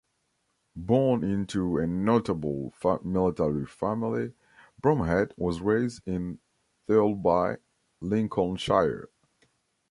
Born into a notable military family, Bromhead was raised in Thurlby, Lincolnshire.